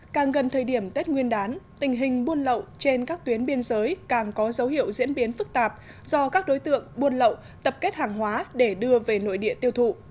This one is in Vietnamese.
càng gần thời điểm tết nguyên đán tình hình buôn lậu trên các tuyến biên giới càng có dấu hiệu diễn biến phức tạp do các đối tượng buôn lậu tập kết hàng hóa để đưa về nội địa tiêu thụ